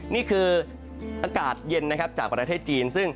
นี้คืออากาศเย็นจากประเทศจีน